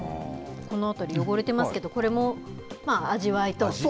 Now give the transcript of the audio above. この辺り汚れてますけど、これも味わいと。